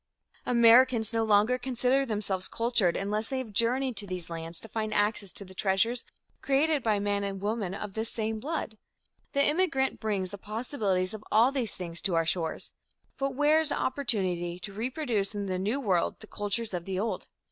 Americans no longer consider themselves cultured unless they have journeyed to these lands to find access to the treasures created by men and women of this same blood. The immigrant brings the possibilities of all these things to our shores, but where is the opportunity to reproduce in the New World the cultures of the old?